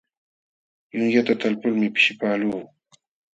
Yunyata talpulmi pishipaqluu.